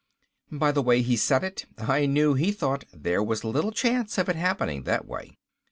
By the way he said it, I knew he thought there was little chance of its happening that way.